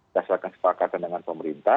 dasarkan sepakat dengan pemerintah